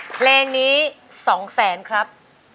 เพลงนี้๒๐๐บาทครับ